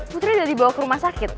putri sudah dibawa ke rumah sakit